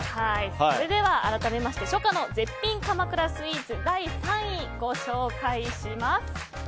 それでは、改めまして初夏の鎌倉絶品スイーツ第３位、ご紹介します。